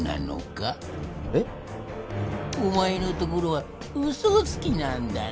おまえのところはうそつきなんだな？